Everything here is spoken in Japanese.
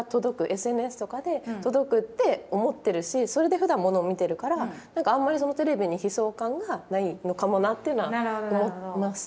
ＳＮＳとかで届くって思ってるしそれでふだんものを見てるから何かあんまりテレビに悲壮感がないのかもなっていうのは思いました。